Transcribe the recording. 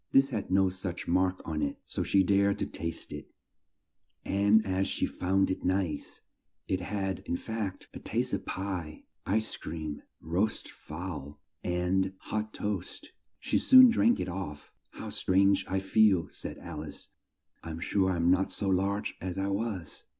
This had no such mark on it, so she dared to taste it, and as she found it nice (it had, in fact, a taste of pie, ice cream, roast fowl, and hot toast), she soon drank it off. "How strange I feel," said Al ice. "I am sure I am not so large as I was!"